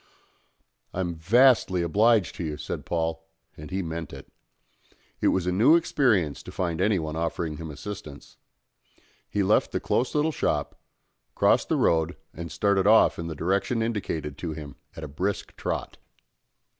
"I'm vastly obliged to you," said Paul, and he meant it. It was a new experience to find anyone offering him assistance. He left the close little shop, crossed the road, and started off in the direction indicated to him at a brisk trot.